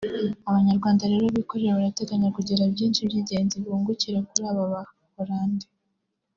Abanyarwanda rero bikorera barateganya kugira byinshi by’ingenzi bungukira kuri aba baholande